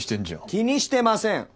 気にしてませんっ！